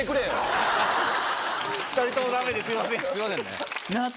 ２人ともダメですいません。